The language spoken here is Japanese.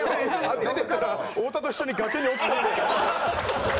出ていったら太田と一緒に崖に落ちてる。